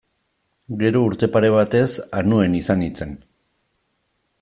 Gero, urte pare batez Anuen izan nintzen.